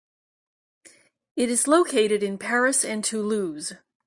It is located in Paris and Toulouse.